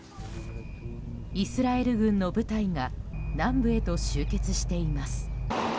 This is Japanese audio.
イスラエル軍の部隊が南部へと集結しています。